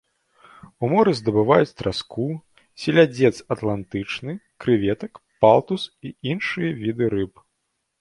У моры здабываюць траску, селядзец атлантычны, крэветак, палтус і іншыя віды рыб.